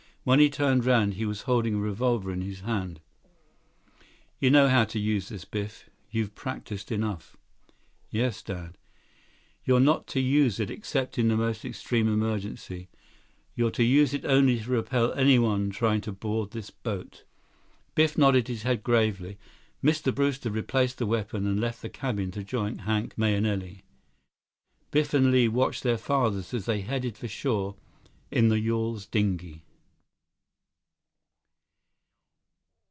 When he turned around, he was holding a revolver in his hand. "You know how to use this, Biff. You've practiced enough." "Yes, Dad." "You're not to use it, except in the most extreme emergency. You're to use it only to repel anyone trying to board this boat." Biff nodded his head gravely. Mr. Brewster replaced the weapon and left the cabin to join Hank Mahenili. Biff and Li watched their fathers as they headed for shore in the yawl's dinghy.